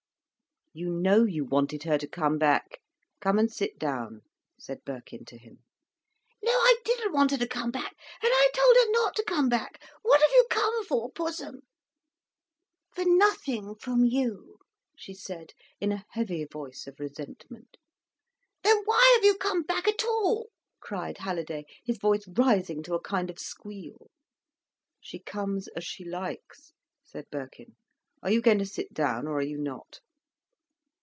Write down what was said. "You know you wanted her to come back—come and sit down," said Birkin to him. "No I didn't want her to come back, and I told her not to come back. What have you come for, Pussum?" "For nothing from you," she said in a heavy voice of resentment. "Then why have you come back at all?" cried Halliday, his voice rising to a kind of squeal. "She comes as she likes," said Birkin. "Are you going to sit down, or are you not?"